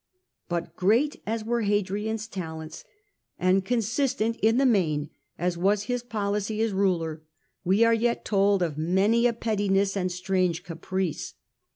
But great as were HadriaiVs talents, and consistent in the main as was his policy as ruler, we are yet told of many a pettiness and strange caprice.